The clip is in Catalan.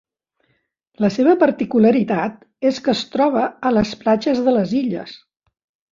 La seva particularitat és que es troba a les platges de les illes.